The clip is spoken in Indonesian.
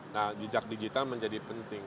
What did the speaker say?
nah jejak digital menjadi penting